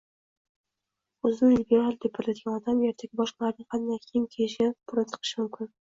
Oʻzini liberal deb biladigan odam ertaga boshqalarning qanday kiyim kiyishiga burun tiqishi mumkin.